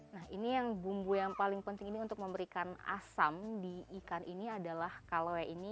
nah ini yang bumbu yang paling penting ini untuk memberikan asam di ikan ini adalah kalaue ini